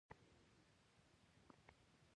پوښتل یې چې ولې اسرائیلو ته ځم او څومره وخت پاتې کېږم.